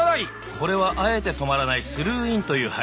これはあえて止まらない「スルーイン」という入り方。